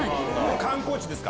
観光地ですか？